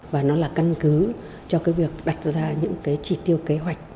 và nó là căn cứ cho cái việc đặt ra những cái chỉ tiêu kế hoạch